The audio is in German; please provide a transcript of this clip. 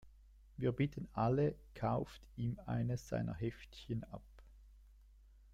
Wir bitten alle, kauft ihm eines seiner Heftchen ab!